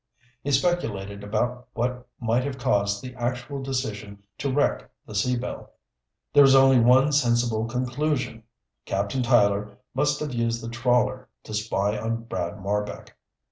He speculated about what might have caused the actual decision to wreck the Sea Belle. There was only one sensible conclusion. Captain Tyler must have used the trawler to spy on Brad Marbek.